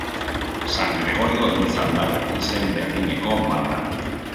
San Gregorio elizan dago, izen berdineko maldan.